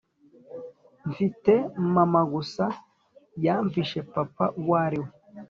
Mpfite mama gusa yampishe papa uwariwe